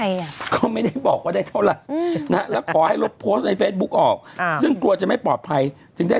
อีฟปรอยเชื่อปลอบขวัญหน่อย